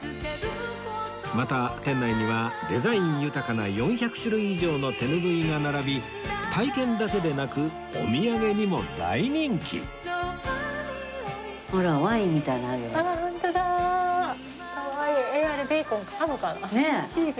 また店内にはデザイン豊かな４００種類以上の手ぬぐいが並び体験だけでなくお土産にも大人気ほらワインみたいのあるよ。